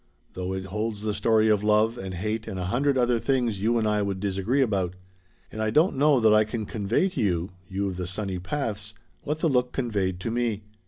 Though it holds the story of love and hate and a hundred other things you and I would disagree about. And I don't know that I can convey to you you of the sunny paths what the look conveyed to me.